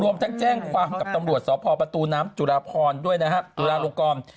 รวมทั้งแจ้งความกับตำรวจสพประตูน้ำจุลาพรด้วยนะฮะจุฬาลงกร